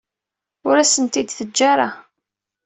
Ur asent-t-id-teǧǧa ara.